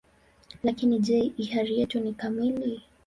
Lakini je, hiari yetu ni kamili?